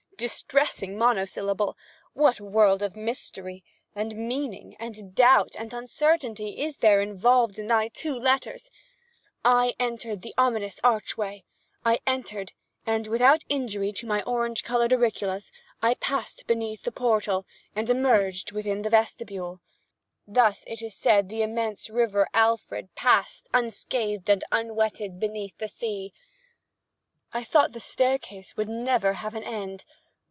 Distressing monosyllable! what world of mystery, and meaning, and doubt, and uncertainty is there involved in thy two letters! I entered the ominous archway! I entered; and, without injury to my orange colored auriculas, I passed beneath the portal, and emerged within the vestibule. Thus it is said the immense river Alfred passed, unscathed, and unwetted, beneath the sea. I thought the staircase would never have an end.